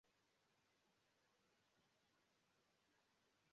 Ĝi havas grandegan korpon sed malgrandan kolon.